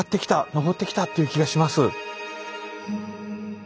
のぼってきたという気がします。